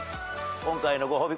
今回のご褒美